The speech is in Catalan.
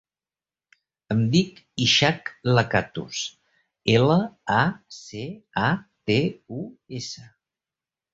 Em dic Ishak Lacatus: ela, a, ce, a, te, u, essa.